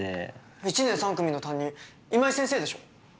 １年３組の担任今井先生でしょ？